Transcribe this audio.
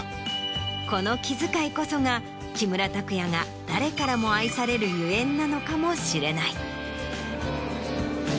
この気遣いこそが木村拓哉が誰からも愛される所以なのかもしれない。